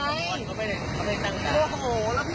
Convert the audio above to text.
โอ้โหแล้วพี่มาเขียนใบสั่งนี่นะ